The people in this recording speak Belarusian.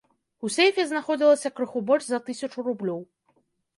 У сейфе знаходзілася крыху больш за тысячу рублёў.